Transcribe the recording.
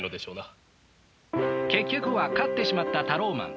結局は勝ってしまったタローマン。